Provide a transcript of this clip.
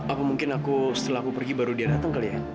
aku mungkin aku setelah aku pergi baru dia datang kali ya